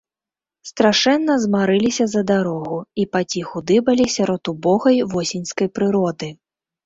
Страшэнна змарыліся за дарогу і паціху дыбалі сярод убогай восеньскай прыроды.